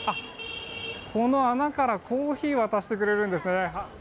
この穴からコーヒー渡してくれるんですね。